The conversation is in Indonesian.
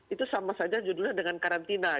itu sama saja judulnya dengan karantina